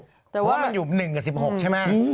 เพราะว่ามันอยู่๑กับ๑๖ใช่ไหม